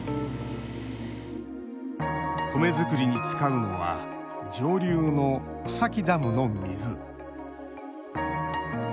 米作りに使うのは上流の草木ダムの水。